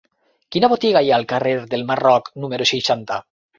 Quina botiga hi ha al carrer del Marroc número seixanta?